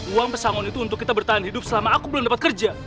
uang pesangon itu untuk kita bertahan hidup selama aku belum dapat kerja